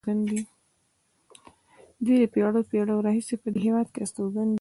دوی له پېړیو پېړیو راهیسې په دې هېواد کې استوګن دي.